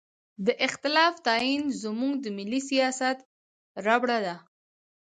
د اختلاف تعین زموږ د ملي سیاست ربړه ده.